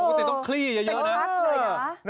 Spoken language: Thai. ปกติต้องคลี่เยอะนะครับเป็นภักด์เลยนะ